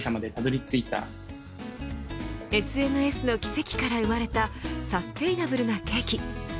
ＳＮＳの奇跡から生まれたサステイナブルなケーキ。